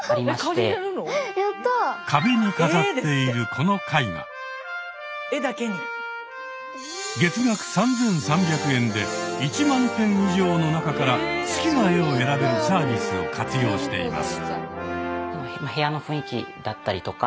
壁に飾っているこの絵画月額３，３００円で１万点以上の中から好きな絵を選べるサービスを活用しています。